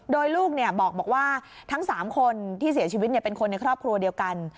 โดยลูกบอกว่าทั้ง๓คนที่เสียชีวิตเป็นคนในครอบครัวเดียวกัน